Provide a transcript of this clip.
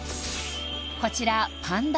こちらパンダ